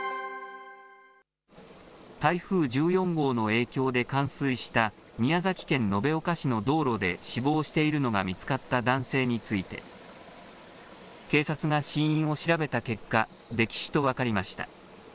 台風１４号の影響で冠水した宮崎県延岡市の道路で死亡しているのが見つかった男性について、警察が死因を調べた結果、溺死と分かりました。